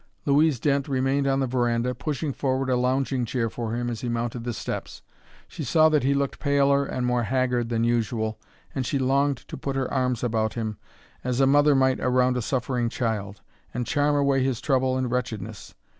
Louise Dent remained on the veranda, pushing forward a lounging chair for him as he mounted the steps. She saw that he looked paler and more haggard than usual, and she longed to put her arms about him, as a mother might around a suffering child, and charm away his trouble and wretchedness.